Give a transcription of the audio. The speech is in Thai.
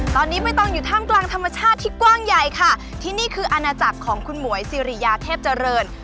ตอนนี้ใบตองอยู่ท่ามกลางธรรมชาติที่กว้างใหญ่ค่ะที่นี่คืออาณาจักรของคุณหมวยสิริยาเทพเจริญ